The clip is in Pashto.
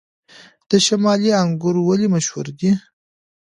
د شمالي انګور ولې مشهور دي؟